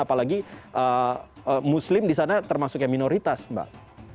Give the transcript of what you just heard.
apalagi muslim disana termasuknya minoritas mbak